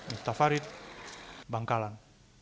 mustafa rid bangkalan